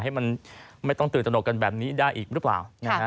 ให้มันไม่ต้องตื่นตนกกันแบบนี้ได้อีกหรือเปล่า